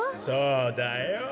そうだよ。